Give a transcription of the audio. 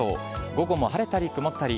午後も晴れたり曇ったり。